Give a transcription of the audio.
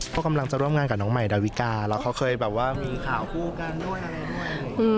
เขากำลังจะร่วมงานกับน้องใหม่ดาวิกาแล้วเขาเคยแบบว่ามีข่าวคู่กันด้วยอะไรด้วย